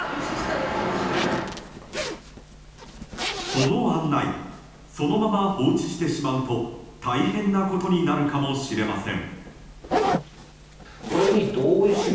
その案内そのまま放置してしまうと大変なことになるかもしれません。